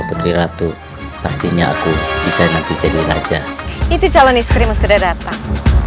petri ratu pastinya aku bisa jadi raja itu calon istrim sudah datang